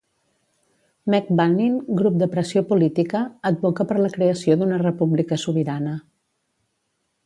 Mec Vannin, grup de pressió política, advoca per la creació d'una república sobirana.